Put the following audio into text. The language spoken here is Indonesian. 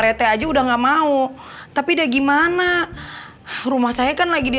kita kan pasti mau jalan disini